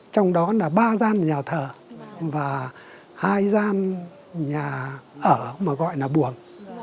trong đó là ba gian nhà thờ và hai gian nhà ở mà gọi là buồng